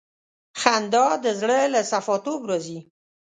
خندا د زړه له صفا توب راځي.